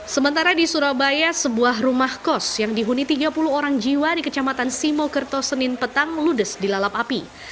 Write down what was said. sementara di surabaya sebuah rumah kos yang dihuni tiga puluh orang jiwa di kecamatan simokerto senin petang ludes dilalap api